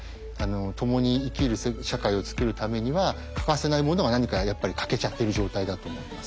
共に生きる社会をつくるためには欠かせないものが何かやっぱり欠けちゃってる状態だと思います。